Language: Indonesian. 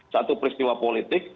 satu peristiwa politik